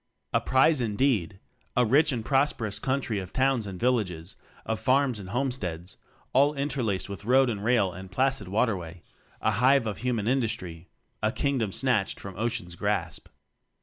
A prize in deed! a rich and prosperous country of towns and villages, of farms and homesteads, all interlr % .ed with road and rail and placid water way; a hive of human industry a kingdom snatched from ocean's grasp.